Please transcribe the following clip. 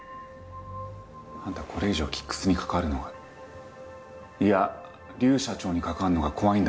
あんたこれ以上ＫＩＣＫＳに関わるのがいや劉社長に関わるのが怖いんだろ。